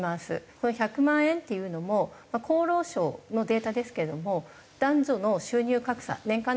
その１００万円っていうのも厚労省のデータですけれども男女の収入格差年間の格差１００万円